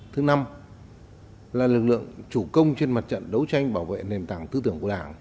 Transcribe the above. thứ năm là lực lượng chủ công trên mặt trận đấu tranh bảo vệ nền tảng tư tưởng của đảng